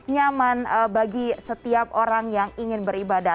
nyaman bagi setiap orang yang ingin beribadah